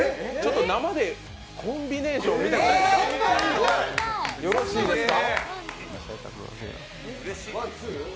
生でコンビネーションを見たくないですか？